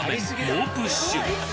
猛プッシュ